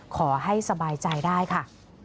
ขอให้สบายใจได้ค่ะ